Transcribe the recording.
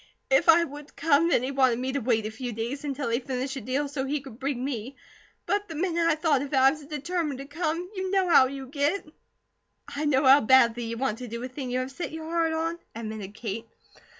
If I would come, then he wanted me to wait a few days until he finished a deal so he could bring me, but the minute I thought of it I was determined to come; you know how you get." "I know how badly you want to do a thing you have set your heart on," admitted Kate.